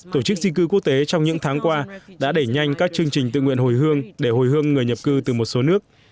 tổ chức di cư quốc tế trong những tháng qua đã đẩy nhanh các chương trình tự nguyện hồi hương để hồi hương người nhập cư từ một số nước